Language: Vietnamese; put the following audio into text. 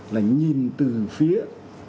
là nhìn từ phía